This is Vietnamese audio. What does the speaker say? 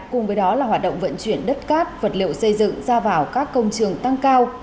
cùng với đó là hoạt động vận chuyển đất cát vật liệu xây dựng ra vào các công trường tăng cao